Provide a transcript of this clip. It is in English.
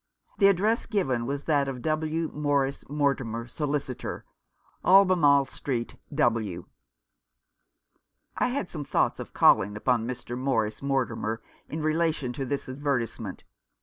The address given was that of W Morris Mortimer, solicitor, Albemarle Street, W. I had some thoughts of calling upon Mr. Morris' 277 Rough Justice. Mortimer in relation to this advertisement.